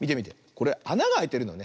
これあながあいてるのね。